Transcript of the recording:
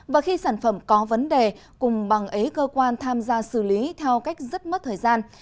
và khi sản phẩm có vấn đề cùng bằng ấy cơ quan tham gia xử lý theo cách rất mất thời gian